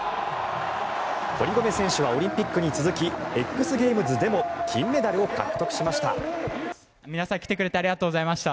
堀米選手はオリンピックに続きＸゲームズでも金メダルを獲得しました。